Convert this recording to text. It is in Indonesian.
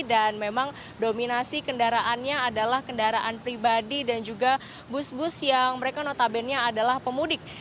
dan memang dominasi kendaraannya adalah kendaraan pribadi dan juga bus bus yang mereka notabene nya adalah pemudik